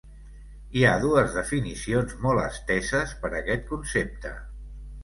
Hi ha dues definicions molt esteses per aquest concepte.